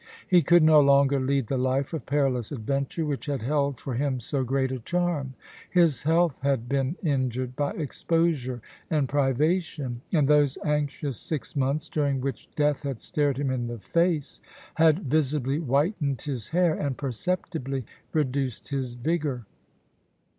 He could no longer lead the life of perilous adventure which had held for him so great a charm. His health had been injured by exposure and privation, and those anxious six months, during which death had stared him in the face, had visibly whitened his hair and perceptibly reduced his vigour.